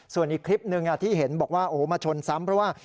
ส่วนอีกคลิปหนึ่งที่เห็นบอกว่าโอ้โหมาชนซ้ำเพราะว่า